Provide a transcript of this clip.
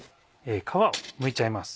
皮をむいちゃいます。